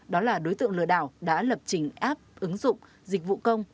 đó là đối tượng lừa đảo đã lập trình app ứng dụng dịch vụ công